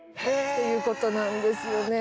ということなんですよね。